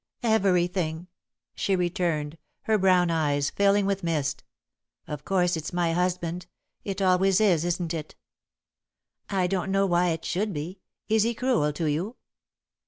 "Everything," she returned, her brown eyes filling with mist. "Of course it's my husband. It always is, isn't it?" [Sidenote: Running Away] "I don't know why it should be. Is he cruel to you?"